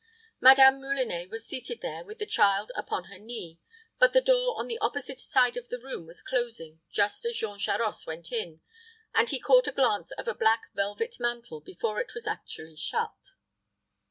Madame Moulinet was seated there, with the child upon her knee; but the door on the opposite side of the room was closing just as Jean Charost went in, and he caught a glance of a black velvet mantle, before it was actually shut.